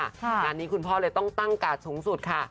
งานนี้คุณพ่อเลยต้องตั้งกาดสูงสุดค่ะ